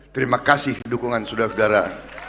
terima kasih dukungan saudara saudara